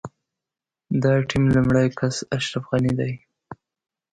د ټيم لومړی کس اشرف غني دی.